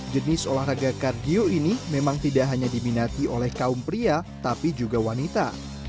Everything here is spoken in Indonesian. jenis olahraga kardio ini memang tidak hanya diminati oleh kaum pria tapi juga wanita